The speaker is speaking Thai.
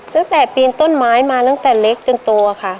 ตั้งแต่ปีนต้นไม้มาตั้งแต่เล็กจนโตค่ะ